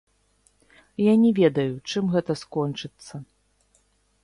Я не ведаю, чым гэта скончыцца.